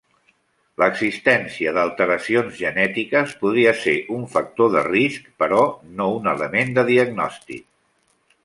L'existència d'alteracions genètiques podria ser un factor de risc però no un element de diagnòstic.